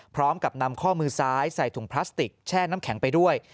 พร้อมกับนำข้อมือซ้ายใส่ถุงพลาสติกแช่น้ำแข็งไปด้วย